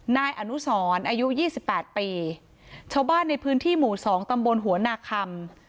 นายอนุสรอายุยี่สิบแปดปีชาวบ้านในพื้นที่หมู่๒ตำบลหัวนาคัม